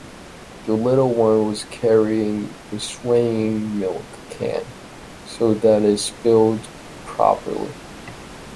Die little one was carrying the swinging milk can, so that it spilled properly.